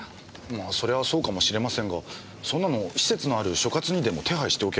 まあそれはそうかもしれませんがそんなの施設のある所轄にでも手配しておけばいいのでは？